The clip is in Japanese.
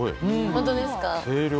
本当ですか？